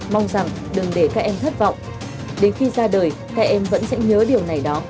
mong rằng đừng để các em thất vọng đến khi ra đời các em vẫn sẽ nhớ điều này đó